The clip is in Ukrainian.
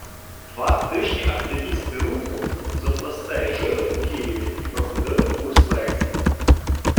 Два тижні активісти Руху з областей жили у Києві і проходили курс лекцій.